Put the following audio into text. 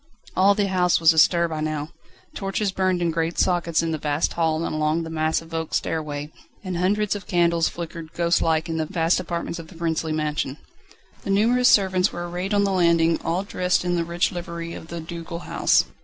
All the house was astir by now. Torches burned in great sockets in the vast hall and along the massive oak stairway, and hundreds of candles flickered ghostlike in the vast apartments of the princely mansion. The numerous servants were arrayed on the landing, all dressed in the rich livery of the ducal house.